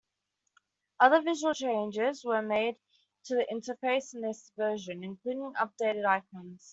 Other visual changes were made to the interface in this version, including updated icons.